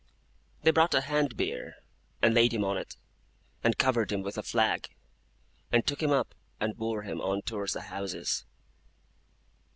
They brought a hand bier, and laid him on it, and covered him with a flag, and took him up and bore him on towards the houses.